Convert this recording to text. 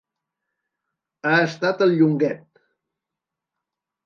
Ha estat el Llonguet!